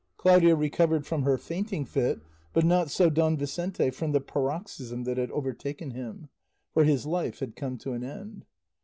Claudia recovered from her fainting fit, but not so Don Vicente from the paroxysm that had overtaken him, for his life had come to an end.